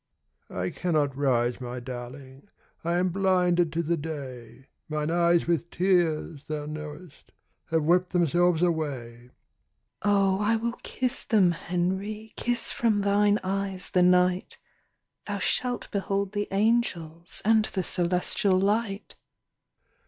"I cannot rise, my darling, I am blinded to the day. Mine eyes with tears, thou knowest, Have wept themselves away." "Oh, I will kiss them, Henry, Kiss from thine eyes the night. Thou shalt behold the angels And the celestial light."